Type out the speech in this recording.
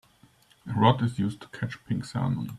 A rod is used to catch pink salmon.